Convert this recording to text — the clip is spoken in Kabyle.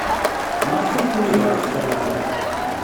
Maɣef ay tunag ɣef Kanada?